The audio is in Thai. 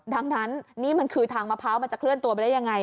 ดังนั้นนี่มันคือทางมะพร้าวมันจะเคลื่อนตัวไปได้ยังไง